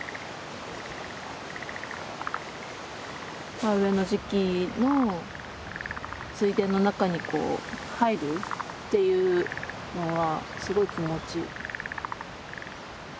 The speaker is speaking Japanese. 田植えの時期の水田の中に入るっていうのはすごい気持ちいい。